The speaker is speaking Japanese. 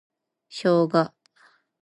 ショウガ